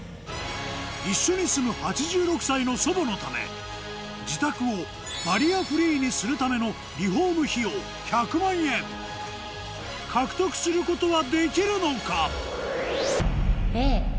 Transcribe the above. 一緒に住む８６歳の祖母のため自宅をバリアフリーにするためのリフォーム費用１００万円獲得することはできるのか？